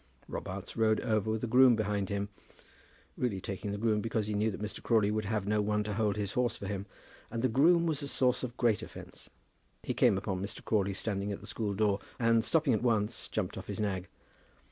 Robarts rode over with a groom behind him, really taking the groom because he knew that Mr. Crawley would have no one to hold his horse for him; and the groom was the source of great offence. He came upon Mr. Crawley standing at the school door, and stopping at once, jumped off his nag.